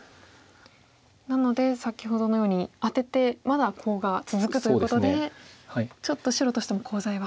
なので先ほどのようにアテてまだコウが続くということでちょっと白としてもコウ材は。